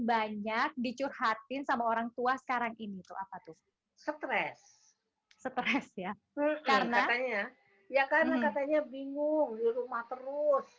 banyak dicurhatin sama orang tua sekarang ini tuh apa tuh stres stres ya karena katanya bingung di rumah terus ya karena katanya bingung di rumah terus ya karena katanya bingung di rumah terus